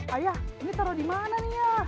ayah ini taruh di mana nih ya